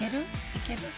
いける？